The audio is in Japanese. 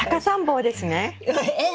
えっ？